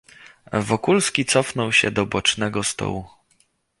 "Wokulski cofnął się do bocznego stołu."